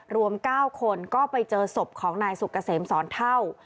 รวม๙คนก็ไปเจอศพของนายสุกเกษมสอนเท่า